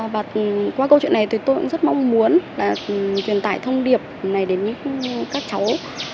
và qua câu chuyện này tôi cũng rất mong muốn truyền tải thông điệp này đến các cháu